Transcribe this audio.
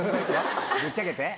ぶっちゃけて。